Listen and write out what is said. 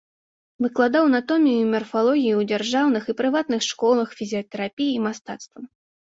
Выкладаў анатомію і марфалогію ў дзяржаўных і прыватных школах фізіятэрапіі і мастацтва.